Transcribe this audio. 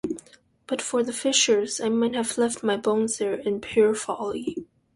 But for the fishers, I might have left my bones there, in pure folly.